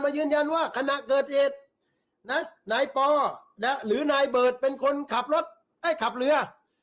ยืนยันว่าขณะเกิดเหตุนะนายปอหรือนายเบิร์ตเป็นคนขับรถให้ขับเรือ